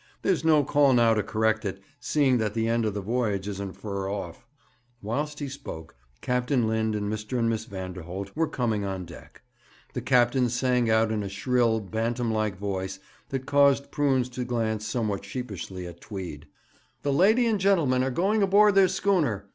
There's no call now to correct it, seeing that the end of the voyage isn't fur off.' Whilst he spoke, Captain Lind and Mr. and Miss Vanderholt were coming on deck. The captain sang out in a shrill, bantam like voice, that caused Prunes to glance somewhat sheepishly at Tweed: 'The lady and gentleman are going aboard their schooner!